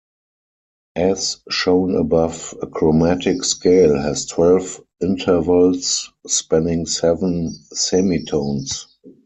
As shown above, a chromatic scale has twelve intervals spanning seven semitones.